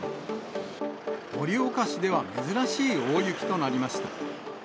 盛岡市では珍しい大雪となりました。